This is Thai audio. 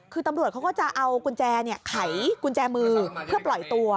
คือตำรวจเขาก็จะเอากุญแจไขกุญแจมือเพื่อปล่อยตัว